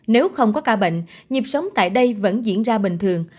nếu không có ca bệnh nhịp sống tại đây vẫn diễn ra bình thường